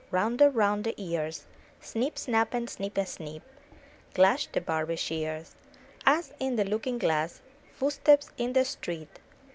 Rounded round the ears. Snip snap and snick a snick. Clash the Barber's shears; Us, in the looking glass. Footsteps in the street.